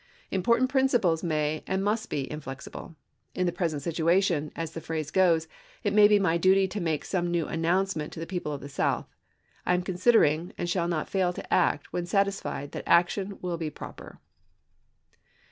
Im portant principles may and must be inflexible. In the present situation, as the phrase goes, it may be my duty to make some new announcement to the people of the South. I am considering, and shall not fail to act when satisfied that action will be SyMs? proper."